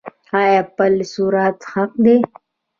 آیا پل صراط حق دی؟